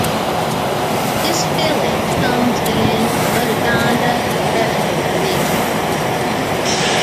This village comes in Mudigonda revenue division.